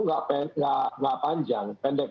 nggak panjang pendek